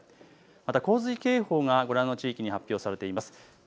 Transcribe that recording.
また洪水警報がご覧の地域に発表されています。